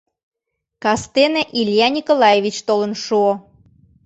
Кастене Илья Николаевич толын шуо.